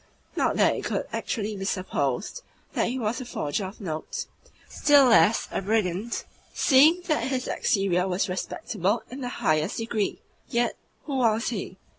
not that it could actually be supposed that he was a forger of notes, still less a brigand, seeing that his exterior was respectable in the highest degree. Yet who was he?